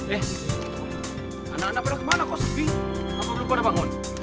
eh anak anak pada kemana kok sepi ngapain belum pada bangun